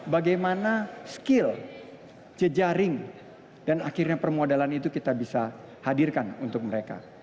bagaimana skill jejaring dan akhirnya permodalan itu kita bisa hadirkan untuk mereka